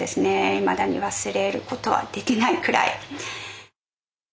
いまだに忘れることはできないくらい。